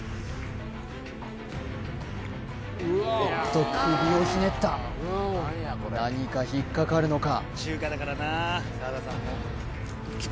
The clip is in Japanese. おっと首をひねった何か引っかかるのか？